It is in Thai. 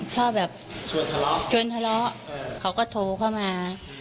ชอบแบบชวนทะเลาะเขาก็โทรเขามา